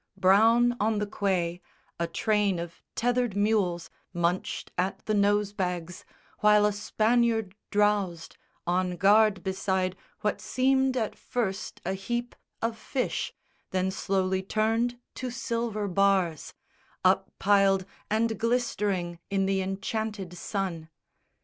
Brown on the quay, a train of tethered mules Munched at the nose bags, while a Spaniard drowsed On guard beside what seemed at first a heap Of fish, then slowly turned to silver bars Up piled and glistering in the enchanted sun.